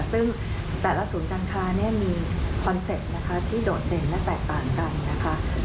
ซึ่งแต่ละศูนย์การค้าเนี่ยมีคอนเซ็ปต์นะคะที่โดดเด่นและแตกต่างกันนะคะ